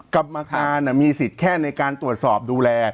กรรมการมีสิทธิ์แค่ในการตรวจสอบดูแล